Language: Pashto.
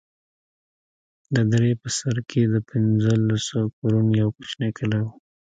د درې په سر کښې د پنځلسو كورونو يو كوچنى كلى و.